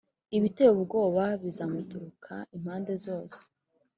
“ibiteye ubwoba bizamuturuka impande zose,